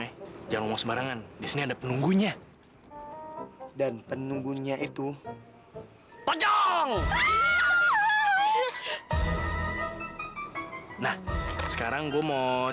ya jangan mau sembarangan di sini ada penunggunya dan penunggunya itu pocong nah sekarang gua mau